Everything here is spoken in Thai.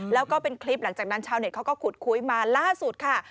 แล้วก็เป็นคลิปหลังจากนั้นชาวเน็ตเขาก็ขุดคุยมาล่าสุดค่ะ